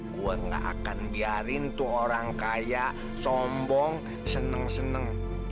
gue gak akan biarin tuh orang kaya sombong senang senang